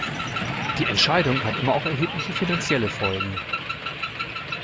Die Entscheidung hat immer auch erhebliche finanzielle Folgen.